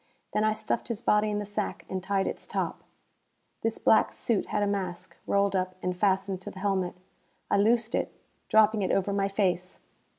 Then I stuffed his body in the sack and tied its top. This black suit had a mask, rolled up and fastened to the helmet. I loosed it, dropping it over my face.